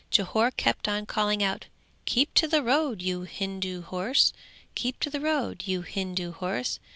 Jhore kept on calling out "Keep to the road, you Hindu horse, keep to the road, you Hindu horse."